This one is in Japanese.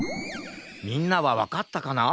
みんなはわかったかな？